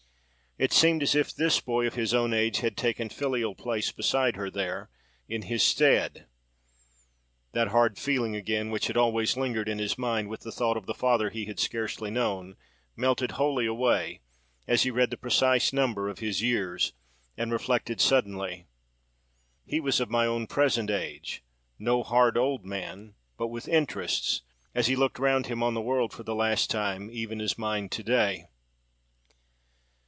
It seemed as if this boy of his own age had taken filial place beside her there, in his stead. That hard feeling, again, which had always lingered in his mind with the thought of the father he had scarcely known, melted wholly away, as he read the precise number of his years, and reflected suddenly—He was of my own present age; no hard old man, but with interests, as he looked round him on the world for the last time, even as mine to day!